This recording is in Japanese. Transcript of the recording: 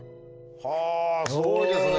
はあすごいですね。